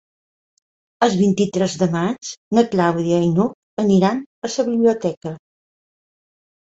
El vint-i-tres de maig na Clàudia i n'Hug aniran a la biblioteca.